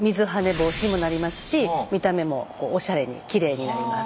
防止にもなりますし見た目もおしゃれにきれいになります。